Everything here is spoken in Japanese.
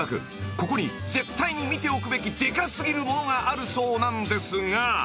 ここに絶対に見ておくべきでか過ぎるものがあるそうなんですが］